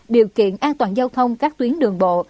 điều kiện an toàn giao thông các tuyến đường bộ